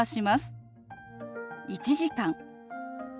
「１時間」。